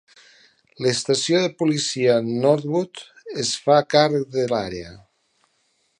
L'estació de policia Norwood es fa càrrec de l'àrea.